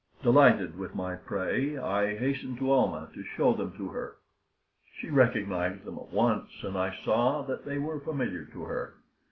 Delighted with my prey, I hastened to Almah to show them to her. She recognized them at once, and I saw that they were familiar to her.